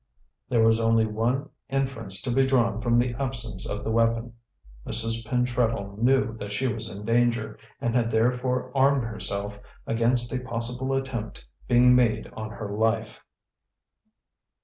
There was only one inference to be drawn from the absence of the weapon: Mrs. Pentreddle knew that she was in danger, and had therefore armed herself against a possible attempt being made on her life.